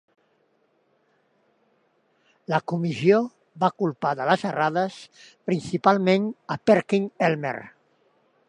La comissió va culpar de les errades principalment a Perkin-Elmer.